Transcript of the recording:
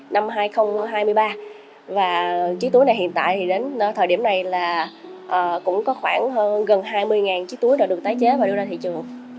năm hai nghìn hai mươi ba và chiếc túi này hiện tại thì đến thời điểm này là cũng có khoảng hơn gần hai mươi chiếc túi đã được tái chế và đưa ra thị trường